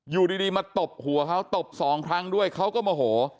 อยู่ดีมาตบหัวเขาตบสองครั้งด้วยเขาก็โมโห